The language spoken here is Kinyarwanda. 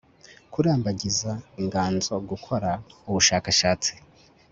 kurambagiza inganzo gukora ubushakashatsi